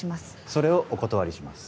それをお断りします。